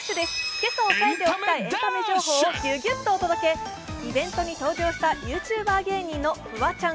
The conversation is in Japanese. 今朝抑えておきたいエンタメ情報とギュギュッとお届け、イベントに登場したＹｏｕＴｕｂｅｒ芸人のフワちゃん。